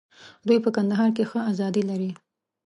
دوی په کندهار کې ښه آزادي لري.